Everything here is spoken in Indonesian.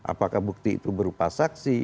apakah bukti itu berupa saksi